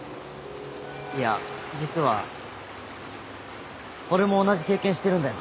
いや実は俺も同じ経験してるんだよ